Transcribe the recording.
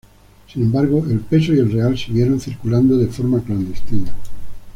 Sin embargo, el peso y el real siguieron circulando de forma clandestina.